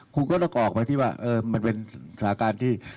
คุณก็ต้องออกมาที่ว่ามันเป็นสถานการณ์ที่